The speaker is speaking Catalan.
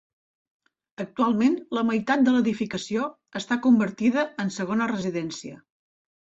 Actualment la meitat de l'edificació està convertida en segona residència.